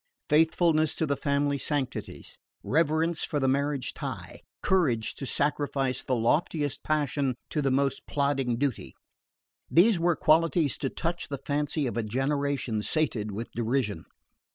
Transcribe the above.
Faithfulness to the family sanctities, reverence for the marriage tie, courage to sacrifice the loftiest passion to the most plodding duty: these were qualities to touch the fancy of a generation sated with derision.